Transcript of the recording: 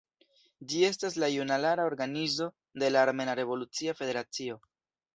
Ĝi estas la junulara organizo de la Armena Revolucia Federacio.